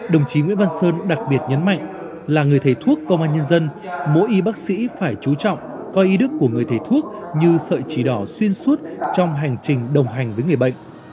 đồng chí nguyễn văn sơn đặc biệt nhấn mạnh là người thầy thuốc công an nhân dân mỗi y bác sĩ phải chú trọng coi ý đức của người thầy thuốc như sợi chỉ đỏ xuyên suốt trong hành trình đồng hành với người bệnh